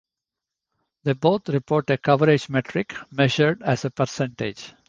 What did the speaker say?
They both report a coverage metric, measured as a percentage.